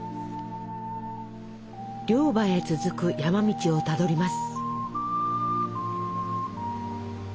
猟場へ続く山道をたどります。